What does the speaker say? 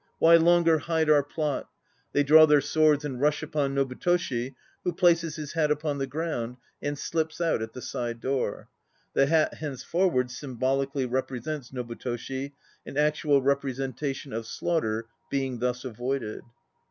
Why longer hide our plot? (They draw their swords and rush upon NOBUTOSHI, who places his hat upon the ground and slips out at the side door. The hat henceforward symbolically represents NOBU TOSHI, an actual representation of slaughter being thus avoided.)